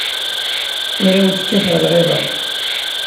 Ur awent-kkateɣ lɣiḍa.